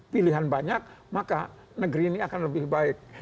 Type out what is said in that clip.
pilihan banyak maka negeri ini akan lebih baik